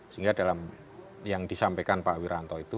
sehingga dalam yang disampaikan pak wiranto itu